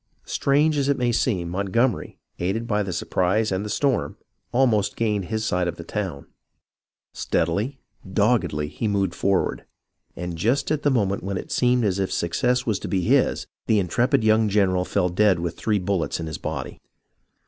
Strange as it may seem, Montgomery, aided by the sur prise and the storm, almost gained his side of the town. THE MARCH ON QUEBEC 8 1 Steadily, doggedly, he moved forward, and just at the mo ment when it seemed as if success was to be his, the intrepid young general fell dead with three bullets in his body.